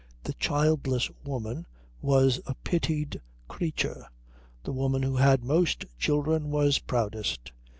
The childless woman was a pitied creature. The woman who had most children was proudest.